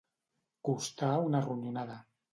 Costar una ronyonada.